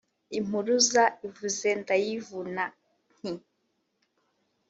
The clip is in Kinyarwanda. Impuruza ivuze ndayivuna, nti: